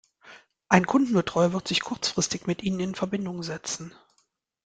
Ein Kundenbetreuer wird sich kurzfristig mit ihnen in Verbindung setzen.